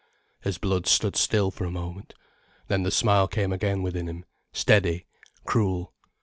His blood stood still for a moment. Then the smile came again within him, steady, cruel.